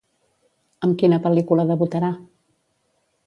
Amb quina pel·lícula debutarà?